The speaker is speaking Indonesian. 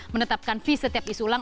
menetapkan fee setiap isu ulang